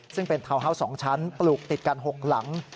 ซึ่งเป็นทาวน์ฮาวส์๒ชั้นปลูกติดกัน๖หลัง